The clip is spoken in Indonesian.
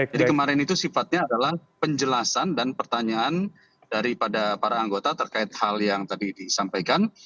jadi kemarin itu sifatnya adalah penjelasan dan pertanyaan daripada para anggota terkait hal yang tadi disampaikan